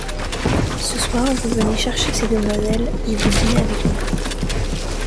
Ce soir, vous venez chercher ces demoiselles et vous dînez avec nous...